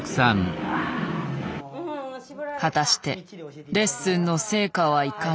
果たしてレッスンの成果はいかに？